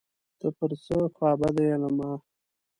ته پر څه خوابدی یې له ما